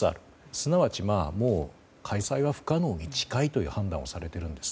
すなわち、開催は不可能に近い判断をされているんです。